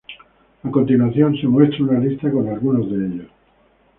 A continuación, se muestra una lista con algunos de ellos.